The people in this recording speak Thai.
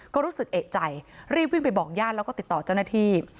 ก็รู้สึกเอกใจรีบวิ่งไปบอกญาติแล้วก็ติดต่อเจ้าหน้าที่